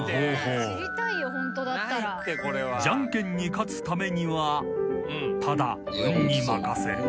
［じゃんけんに勝つためにはただ運に任せる］